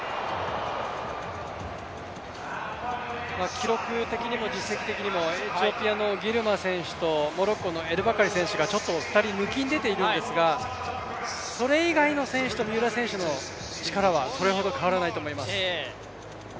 記録的にも実績的にもエチオピアのギルマ選手とモロッコのエルバカリ選手が２人ぬきんでているんですがそれ以外の選手と三浦選手の力は、それほど変わらないと思います。